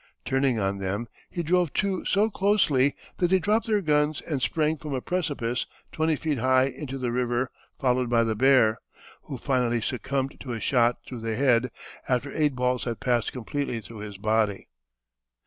Turning on them, he drove two so closely that they dropped their guns and sprang from a precipice twenty feet high into the river followed by the bear, who finally succumbed to a shot through the head after eight balls had passed completely through his body.